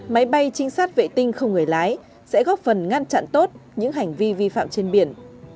máy bay trinh sát vệ tinh không người lái sẽ góp phần ngăn chặn tốt những hành vi vi phạm trên biển